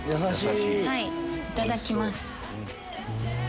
いただきます。